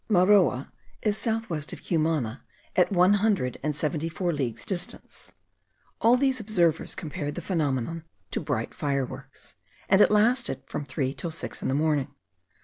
Maroa is south west of Cumana, at one hundred and seventy four leagues distance. All these observers compared the phenomenon to brilliant fireworks; and it lasted from three till six in the morning.